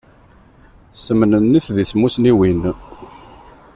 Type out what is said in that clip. Semnennit di tmusniwin.